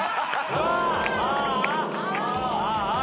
ああ！